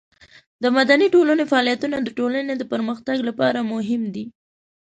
د مدني ټولنې فعالیتونه د ټولنې د پرمختګ لپاره مهم دي.